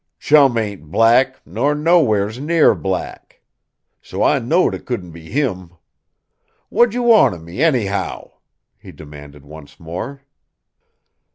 Chum ain't black, nor nowheres near black. So I knowed it couldn't be him. What d'j' want of me, anyhow?" he demanded once more.